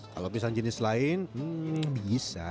kalau pisang jenis lain hmm bisa